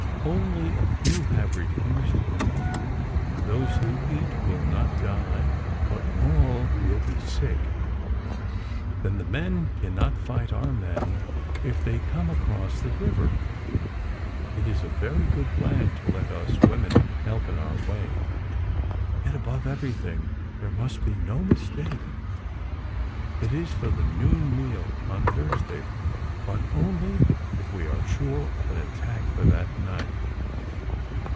Only a few have refused to come in. Those who eat will not die, but all will be sick. Then the men cannot fight our men if they come across the river. It is a very good plan to let us women help in our way. Yet, above every thing, there must be no mistake ! It is for the noon meal on Thursday, but only if we are sure of an attack for that night.